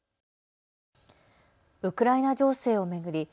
ウクライナ情勢を巡り